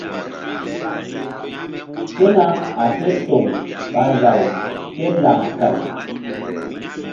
Sena a ké toŋ ɓa law ké laŋ kaŋ.